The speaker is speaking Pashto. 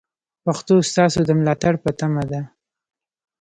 پښتو ستاسو د ملاتړ په تمه ده.